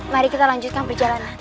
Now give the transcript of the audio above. mari kita lanjutkan perjalanan